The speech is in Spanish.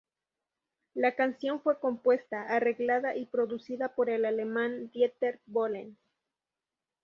La canción fue compuesta, arreglada y producida por el alemán Dieter Bohlen.